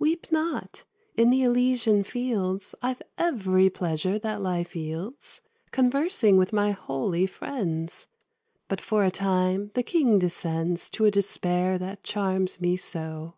Weep not: in the Elysian fields I've every pleasure that life yields, Conversing with my holy friends; But for a time the King descends To a despair that charms me so.'"